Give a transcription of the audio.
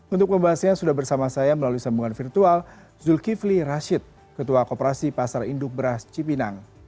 untuk membahasnya sudah bersama saya melalui sambungan virtual zulkifli rashid ketua koperasi pasar induk beras cipinang